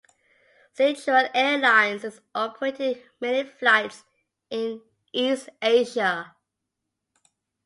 Sichuan Airlines is operating mainly flights in East Asia.